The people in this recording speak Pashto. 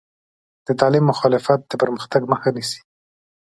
د تعلیم مخالفت د پرمختګ مخه نیسي.